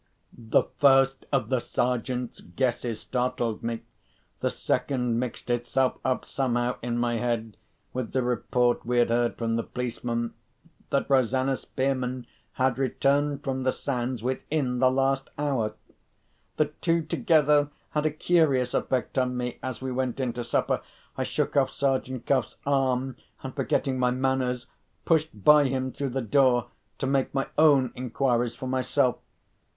The first of the Sergeant's guesses startled me. The second mixed itself up somehow in my head with the report we had heard from the policeman, that Rosanna Spearman had returned from the sands within the last hour. The two together had a curious effect on me as we went in to supper. I shook off Sergeant Cuff's arm, and, forgetting my manners, pushed by him through the door to make my own inquiries for myself.